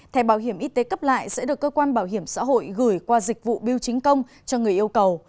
thẻ bảo hiểm y tế cấp lại sẽ được cơ quan bảo hiểm xã hội gửi qua dịch vụ biêu chính công cho người yêu cầu